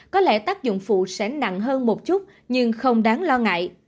có lẽ tác dụng phụ sẽ nặng hơn một chút nhưng không đáng lo ngại